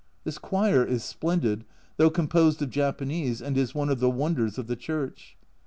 This choir is splendid, though composed of Japanese, and is one of the wonders of the church.